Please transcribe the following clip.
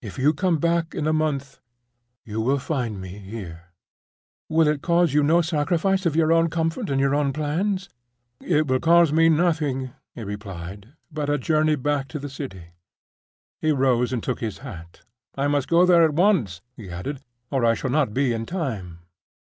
If you come back in a month, you will find me here." "Will it cause you no sacrifice of your own comfort and your own plans?" "It will cause me nothing," he replied, "but a journey back to the City." He rose and took his hat. "I must go there at once," he added, "or I shall not be in time."